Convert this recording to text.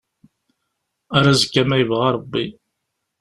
Ar azekka ma yebɣa Rebbi.